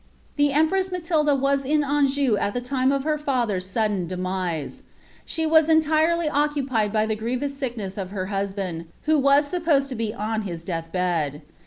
Tlie empress Matilda was in Anjou at the time of her father's twUtt demise. She was entirely occupied by the grievous airkums of hv nusband, who was snpposed to be on his dcath bed.'